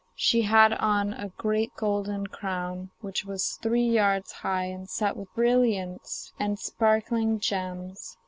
She had on a great golden crown which was three yards high and set with brilliants and sparkling gems.